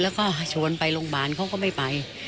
แล้วก็ชวนไปโรงพยาบาลเขาก็ไม่ไป